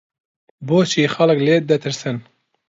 بۆچی خەڵک لێت دەترسن؟